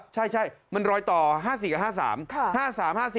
ใช่มันรอยต่อ๕๔กับ๕๓๕๔